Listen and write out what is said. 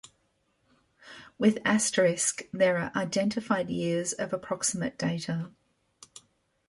With asterisk there are identified years of approximate data.